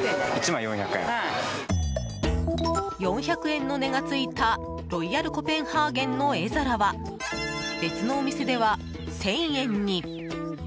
４００円の値がついたロイヤルコペンハーゲンの絵皿は別のお店では１０００円に！